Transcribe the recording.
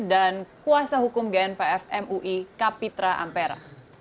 dan kuasa hukum gnpf mui kapitra ampera